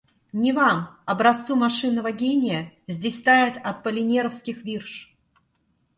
Не вам — образцу машинного гения — здесь таять от аполлинеровских вирш.